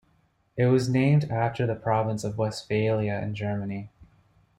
It was named after the province of Westphalia in Germany.